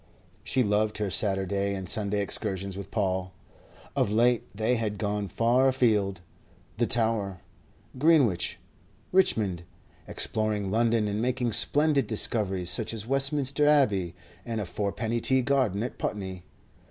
She loved her Saturday and Sunday excursions with Paul of late they had gone far afield: the Tower, Greenwich, Richmond exploring London and making splendid discoveries such as Westminster Abbey and a fourpenny tea garden at Putney.